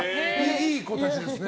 いい子たちですね。